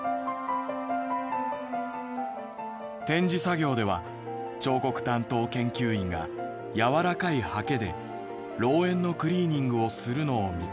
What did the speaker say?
「展示作業では彫刻担当研究員がやわらかいはけで『老猿』のクリーニングをするのを見かけます。